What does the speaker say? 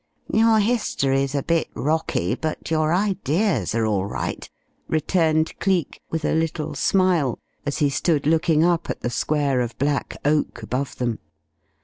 "Your history's a bit rocky, but your ideas are all right," returned Cleek with a little smile, as he stood looking up at the square of black oak above them.